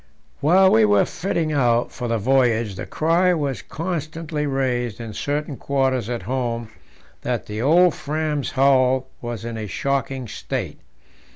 While we were fitting out for the voyage, the cry was constantly raised in certain quarters at home that the old Fram's hull was in a shocking state.